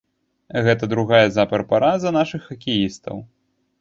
Гэта другая запар параза нашых хакеістаў.